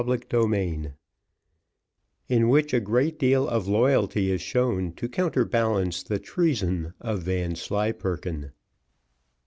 Chapter LII In which a great deal of loyalty is shown to counterbalance the treason of Vanslyperken.